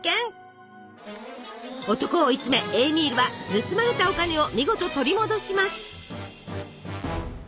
男を追い詰めエーミールは盗まれたお金を見事取り戻します。